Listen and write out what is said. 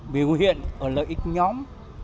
biểu hiện ở lợi ích nhóm